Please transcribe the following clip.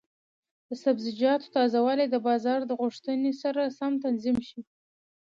د سبزیجاتو تازه والی د بازار د غوښتنې سره سم تنظیم شي.